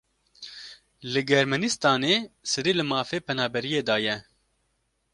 Li Germanistanê serî li mafê penaberiyê daye.